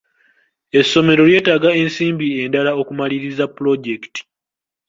Essomero lyetaaga ensimbi endala okumaliriza pulojekiti.